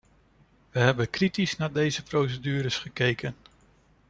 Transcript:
We hebben kritisch naar deze procedures gekeken.